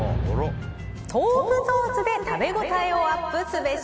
豆腐ソースで食べ応えをアップすべし。